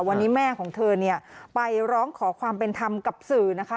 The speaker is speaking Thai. วันนี้แม่ของเธอเนี่ยไปร้องขอความเป็นธรรมกับสื่อนะคะ